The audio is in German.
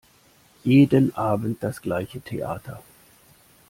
Jeden Abend das gleiche Theater!